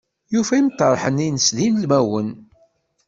Yufa-n imṭerḥen-ines d ilmawen.